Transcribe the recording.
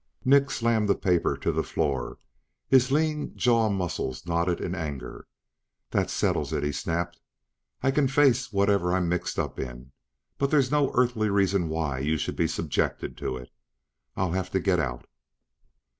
Nick slammed the paper to the floor, his lean jaw muscles knotted in anger. "That settles it," he snapped. "I can face whatever I'm mixed up in, but there's no earthly reason why you should be subjected to it! I'll have to get out!"